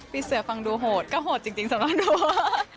พี่เสือฟังดูโหดก็โหดจริงสำหรับหนู